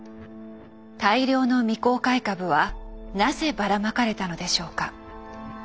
大量の未公開株はなぜばらまかれたのでしょうか。